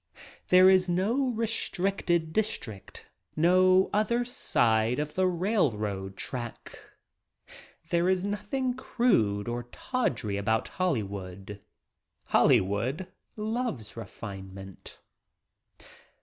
There is no restricted district — no "other side of the railroad There is nothing crude or tawdry about Holly wood. Hollvwood loves refinement.